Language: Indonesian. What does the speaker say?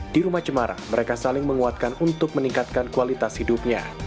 di rumah cemara mereka saling menguatkan untuk meningkatkan kualitas hidupnya